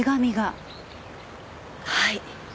はい。